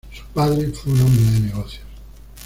Su padre fue un hombre de negocios.